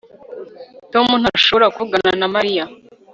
tom ntashobora kuvugana na mariya